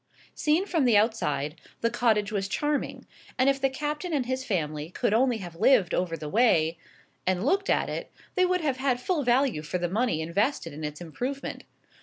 Seen from the outside the cottage was charming; and if the captain and his family could only have lived over the way, and looked at it, they would have had full value for the money invested in its improvement.